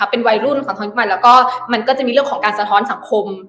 เป็นวัยรุ่นสะท้อนทุกวันแล้วก็มันก็จะมีเรื่องของการสะท้อนสังคม